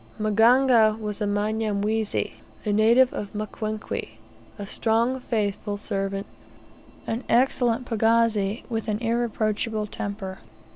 Maganga was a Mnyamwezi, a native of Mkwenkwe, a strong, faithful servant, an excellent pagazi, with an irreproachable temper.